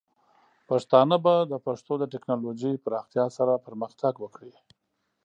پښتانه به د پښتو د ټیکنالوجۍ پراختیا سره پرمختګ وکړي.